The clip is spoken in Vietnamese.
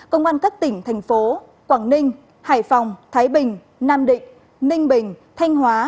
công an các tỉnh thành phố quảng ninh hải phòng thái bình nam định ninh bình thanh hóa